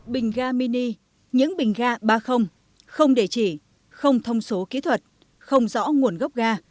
bình ga mini những bình ga ba không để chỉ không thông số kỹ thuật không rõ nguồn gốc ga